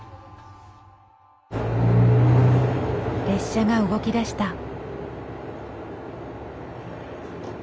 列車が動きだした。